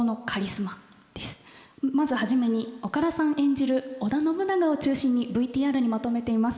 まず始めに岡田さん演じる織田信長を中心にＶＴＲにまとめています。